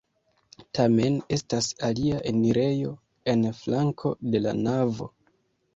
Tamen estas alia enirejo en flanko de la navo.